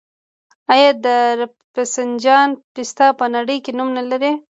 آیا د رفسنجان پسته په نړۍ کې نوم نلري؟